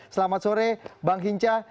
selamat sore bang hinca